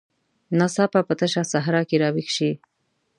ناڅاپه په تشه صحرا کې راویښ شي.